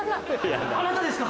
あなたですか？